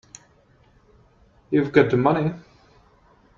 You've got the money.